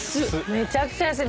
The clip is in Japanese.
めちゃくちゃ安い。